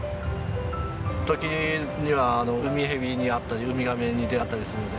時にはウミヘビに会ったりウミガメに出会ったりするので。